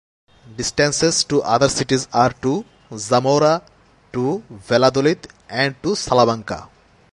Distances to other cities are: to Zamora, to Valladolid and to Salamanca.